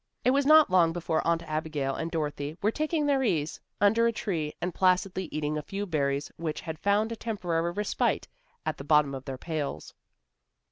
It was not long before Aunt Abigail and Dorothy were taking their ease under a tree and placidly eating a few berries which had found a temporary respite at the bottom of their pails.